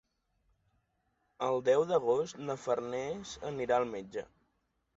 El deu d'agost na Farners anirà al metge.